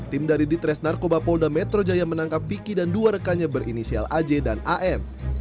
tim dari ditres narkoba polda metro jaya menangkap vicky dan dua rekannya berinisial aj dan an